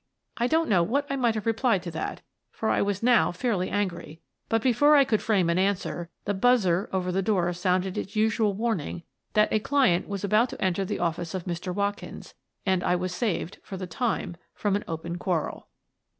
I don't know what I might have replied to that, for I was now fairly angry, but, before I could frame an answer, the "buzzer" over the door sounded its usual warning that a client was about to enter the office of Mr. Watkins, and I was saved, for the time, from an open quarrel.